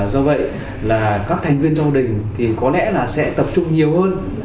do vậy các thành viên châu đình có lẽ sẽ tập trung nhiều hơn